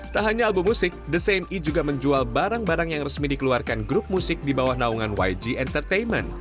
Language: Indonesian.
tak hanya album musik the same e juga menjual barang barang yang resmi dikeluarkan grup musik di bawah naungan yg entertainment